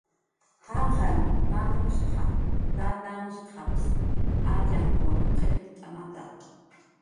Jaqarn mamamshqa, tatamshqaps atxamkun qillqt'amata.